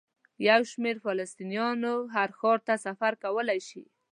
یو شمېر فلسطینیان هر ښار ته سفر کولی شي.